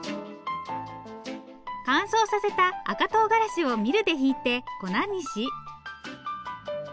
乾燥させた赤とうがらしをミルでひいて粉にし。